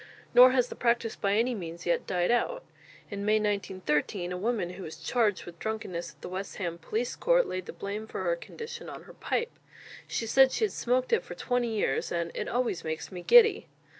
Nor has the practice by any means yet died out. In May 1913, a woman, who was charged with drunkenness at the West Ham police court, laid the blame for her condition on her pipe. She said she had smoked it for twenty years, and "it always makes me giddy!"